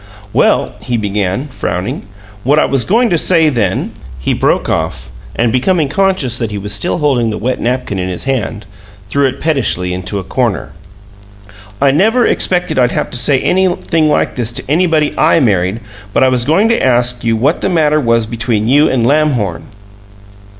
"Well," he began, frowning, "what I was going to say then " He broke off, and, becoming conscious that he was still holding the wet napkin in his hand, threw it pettishly into a corner. "I never expected I'd have to say anything like this to anybody I MARRIED; but I was going to ask you what was the matter between you and Lamhorn."